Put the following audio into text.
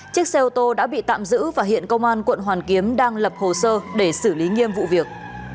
chiếc xe ô tô đã bị tạm giữ và hiện công an quận hoàn kiếm đang lập hồ sơ để xử lý nghiêm vụ việc